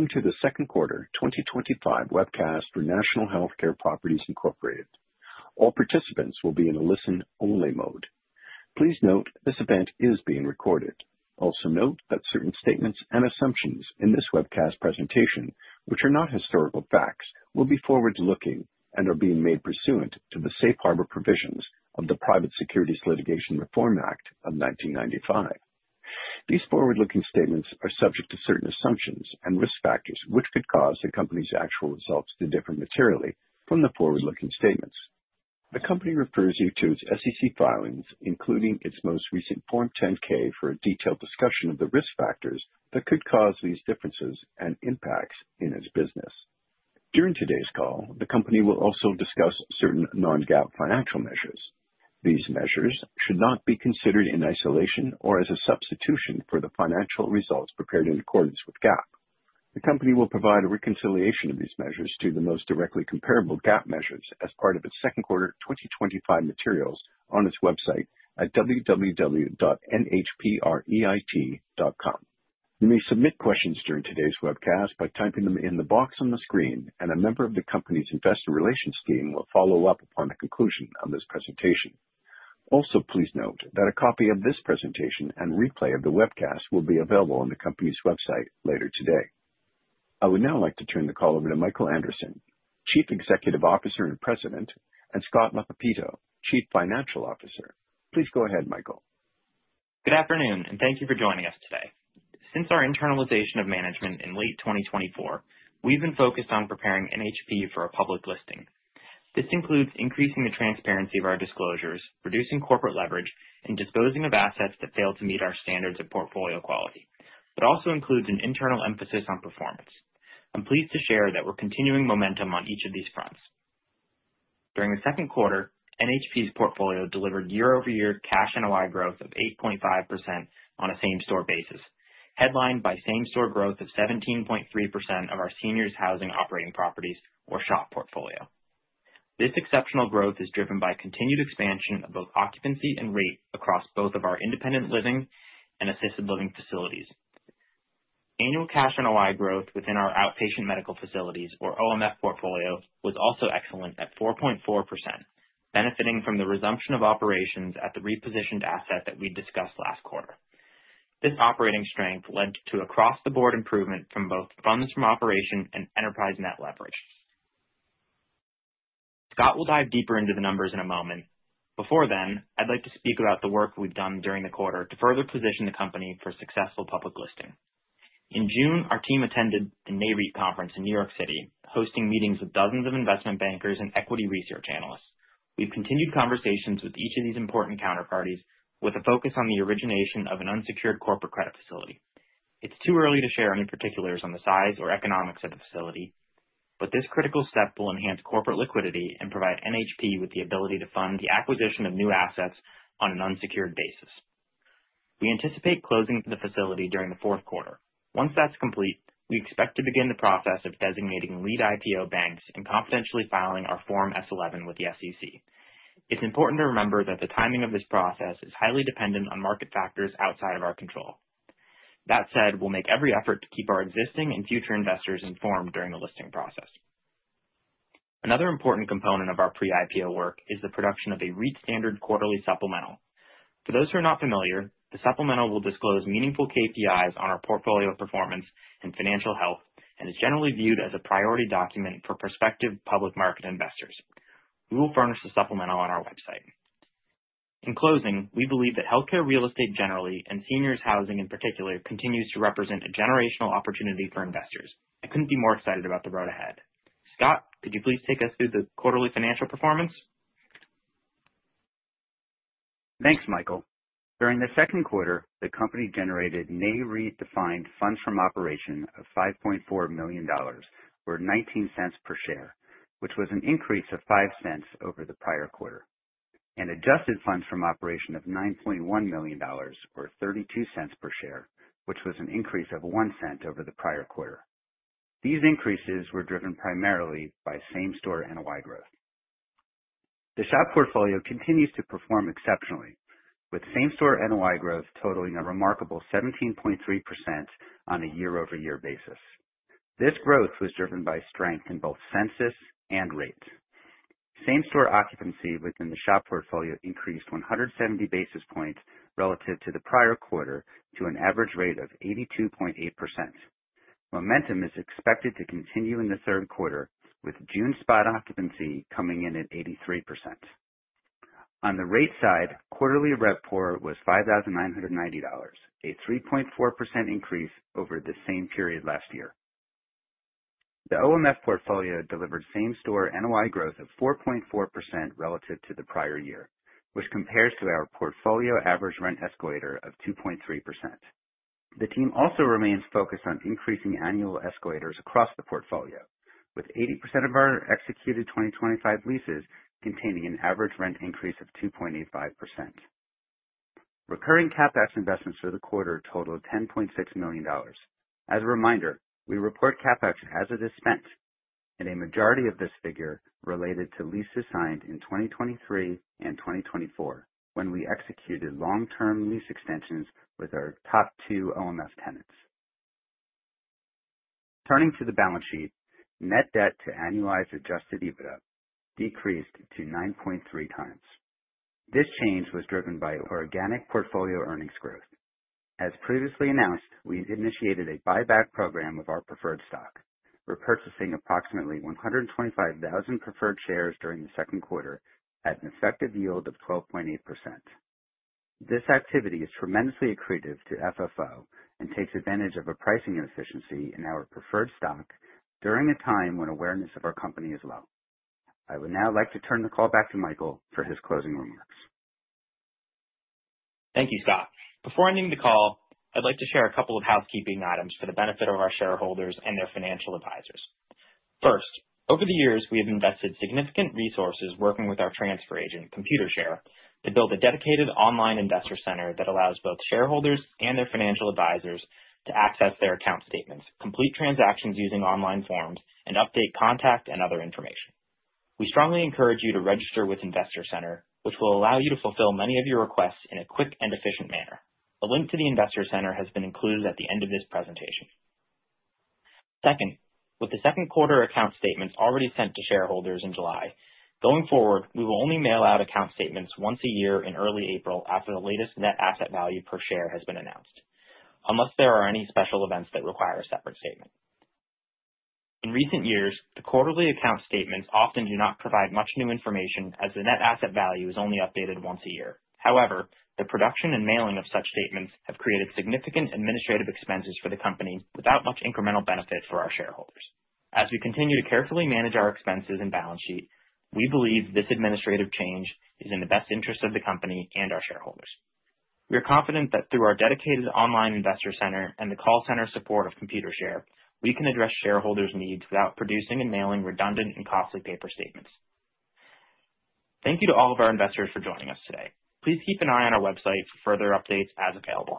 Welcome to the second quarter 2025 webcast for National Healthcare Properties, Inc.. All participants will be in a listen-only mode. Please note this event is being recorded. Also note that certain statements and assumptions in this webcast presentation, which are not historical facts, will be forward-looking and are being made pursuant to the safe harbor provisions of the Private Securities Litigation Reform Act of 1995. These forward-looking statements are subject to certain assumptions and risk factors, which could cause the company's actual results to differ materially from the forward-looking statements. The company refers you to its SEC filings, including its most recent Form 10-K, for a detailed discussion of the risk factors that could cause these differences and impacts in its business. During today's call, the company will also discuss certain non-GAAP financial measures. These measures should not be considered in isolation or as a substitution for the financial results prepared in accordance with GAAP. The company will provide a reconciliation of these measures to the most directly comparable GAAP measures as part of its second quarter 2025 materials on its website at www.nhpreit.com. You may submit questions during today's webcast by typing them in the box on the screen, and a member of the company's investor relations team will follow up upon the conclusion of this presentation. Please note that a copy of this presentation and replay of the webcast will be available on the company's website later today. I would now like to turn the call over to Michael Anderson, Chief Executive Officer and President, and Scott Lappetito, Chief Financial Officer. Please go ahead, Michael. Good afternoon, and thank you for joining us today. Since our internalization of management in late 2024, we've been focused on preparing NHP for a public listing. This includes increasing the transparency of our disclosures, reducing corporate leverage, and disposing of assets that fail to meet our standards of portfolio quality. Also includes an internal emphasis on performance. I'm pleased to share that we're continuing momentum on each of these fronts. During the second quarter, NHP's portfolio delivered year-over-year cash NOI growth of 8.5% on a same-store basis, headlined by same-store growth of 17.3% of our seniors housing operating properties, or SHOP portfolio. This exceptional growth is driven by continued expansion of both occupancy and rate across both of our independent living and assisted living facilities. Annual cash NOI growth within our outpatient medical facilities, or OMF portfolio, was also excellent at 4.4%, benefiting from the resumption of operations at the repositioned asset that we discussed last quarter. This operating strength led to across-the-board improvement from both funds from operations and enterprise net leverage. Scott Lappetito will dive deeper into the numbers in a moment. Before then, I'd like to speak about the work we've done during the quarter to further position the company for successful public listing. In June, our team attended the Nareit conference in New York City, hosting meetings with dozens of investment bankers and equity research analysts. We've continued conversations with each of these important counterparties with a focus on the origination of an unsecured corporate credit facility. It's too early to share any particulars on the size or economics of the facility, but this critical step will enhance corporate liquidity and provide NHP with the ability to fund the acquisition of new assets on an unsecured basis. We anticipate closing for the facility during the fourth quarter. Once that's complete, we expect to begin the process of designating lead IPO banks and confidentially filing our Form S-11 with the SEC. It's important to remember that the timing of this process is highly dependent on market factors outside of our control. That said, we'll make every effort to keep our existing and future investors informed during the listing process. Another important component of our pre-IPO work is the production of a REIT standard quarterly supplemental. For those who are not familiar, the supplemental will disclose meaningful KPIs on our portfolio performance and financial health and is generally viewed as a priority document for prospective public market investors. We will furnish the supplemental on our website. In closing, we believe that healthcare real estate generally, and seniors housing in particular, continues to represent a generational opportunity for investors. I couldn't be more excited about the road ahead. Scott, could you please take us through the quarterly financial performance? Thanks, Michael. During the second quarter, the company generated Nareit-defined funds from operation of $5.4 million or $0.19 per share, which was an increase of $0.05 over the prior quarter. Adjusted funds from operations of $9.1 million or $0.32 per share, which was an increase of $0.01 over the prior quarter. These increases were driven primarily by same-store NOI growth. The SHOP portfolio continues to perform exceptionally, with same-store NOI growth totaling a remarkable 17.3% on a year-over-year basis. This growth was driven by strength in both census and rate. Same-store occupancy within the SHOP portfolio increased 170 basis points relative to the prior quarter, to an average rate of 82.8%. Momentum is expected to continue in the third quarter, with June spot occupancy coming in at 83%. On the rate side, quarterly RevPAR was $5,990, a 3.4% increase over the same period last year. The OMF portfolio delivered same-store NOI growth of 4.4% relative to the prior year, which compares to our portfolio average rent escalator of 2.3%. The team also remains focused on increasing annual escalators across the portfolio, with 80% of our executed 2025 leases containing an average rent increase of 2.85%. Recurring CapEx investments for the quarter totaled $10.6 million. As a reminder, we report CapEx as it is spent. A majority of this figure related to leases signed in 2023 and 2024, when we executed long-term lease extensions with our top two OMF tenants. Turning to the balance sheet, net debt to annualized adjusted EBITDA decreased to 9.3x. This change was driven by organic portfolio earnings growth. As previously announced, we've initiated a buyback program of our preferred stock, repurchasing approximately 125,000 preferred shares during the second quarter at an effective yield of 12.8%. This activity is tremendously accretive to FFO and takes advantage of a pricing inefficiency in our preferred stock during a time when awareness of our company is low. I would now like to turn the call back to Michael for his closing remarks. Thank you, Scott. Before ending the call, I'd like to share a couple of housekeeping items for the benefit of our shareholders and their financial advisors. First, over the years, we have invested significant resources working with our transfer agent, Computershare, to build a dedicated online Investor Center that allows both shareholders and their financial advisors to access their account statements, complete transactions using online forms, and update contact and other information. We strongly encourage you to register with Investor Center, which will allow you to fulfill many of your requests in a quick and efficient manner. A link to the Investor Center has been included at the end of this presentation. Second, with the second quarter account statements already sent to shareholders in July, going forward, we will only mail out account statements once a year in early April after the latest net asset value per share has been announced, unless there are any special events that require a separate statement. In recent years, the quarterly account statements often do not provide much new information as the net asset value is only updated once a year. However, the production and mailing of such statements have created significant administrative expenses for the company without much incremental benefit for our shareholders. As we continue to carefully manage our expenses and balance sheet, we believe this administrative change is in the best interest of the company and our shareholders. We are confident that through our dedicated online Investor Center and the call center support of Computershare, we can address shareholders' needs without producing and mailing redundant and costly paper statements. Thank you to all of our investors for joining us today. Please keep an eye on our website for further updates as available.